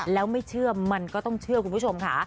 แล้วไม่เชื่อมันก็ต้องเชื่อคุณผู้ชมค่ะ